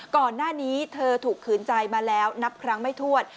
ก่อนหน้านี้เธอถูกขืนใจมาแล้วนับครั้งไม่ทวด